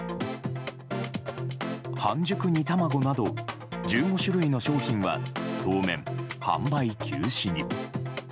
半熟煮たまごなど１５種類の商品は当面、販売休止に。